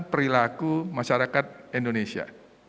perilaku masyarakat indonesia